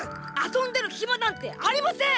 遊んでるヒマなんてありません！